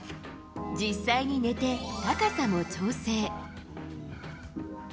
実際に寝て、高さの調整。